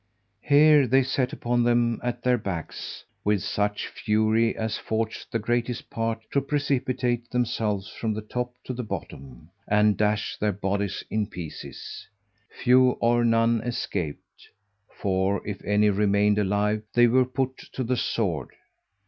Here they set upon them at their backs with such fury as forced the greatest part to precipitate themselves from the top to the bottom, and dash their bodies in pieces: few or none escaped; for if any remained alive, they were put to the sword.